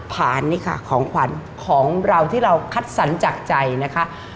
ผ่านนี่ค่ะของขวัญของเราที่เราคัดสรรจากใจนะคะ